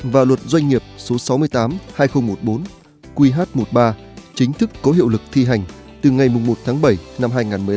và luật doanh nghiệp số sáu mươi tám hai nghìn một mươi bốn qh một mươi ba chính thức có hiệu lực thi hành từ ngày một tháng bảy năm hai nghìn một mươi tám